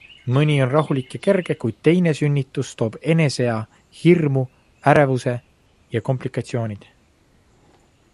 Mõni on rahulik ja kerge, kuid teine sünnitus toob enesea hirmu, ärevuse ja komplikatsioonid.